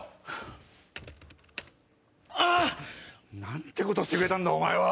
何てことしてくれたんだお前は。